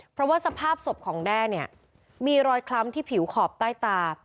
เพราะว่าสภาพศพของแด้เนี่ยมีรอยคล้ำที่ผิวขอบใต้ตา